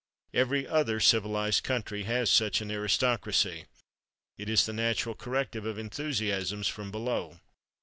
Every other civilized country has such an aristocracy. It is the natural corrective of enthusiasms from below.